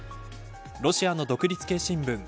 ロシアの独立系新聞